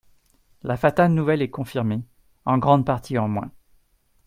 La fatale nouvelle est confirmée, en grande partie en moins.